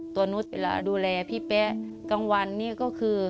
ตัวนู้นเวลาดูแลพี่แป๊กลางวันนี้ก็คือ